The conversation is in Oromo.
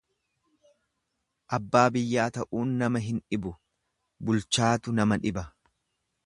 Abbaa biyyaa ta'uun nama hin dhibu bulchaatu nama dhiba.